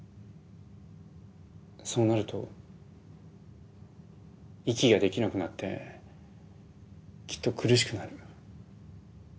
そうなると息ができなくなってきっと苦しくなる。